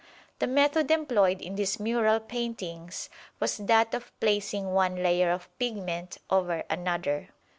The method employed in these mural paintings was that of placing one layer of pigment over another.